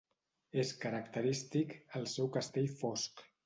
És característic el seu castell fosc.